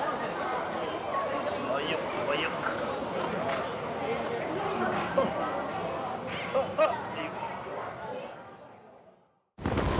あいよあいよあっあっあっ